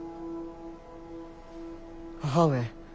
母上。